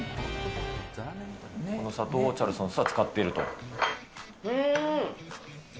この砂糖をチャルソンスは使うーん。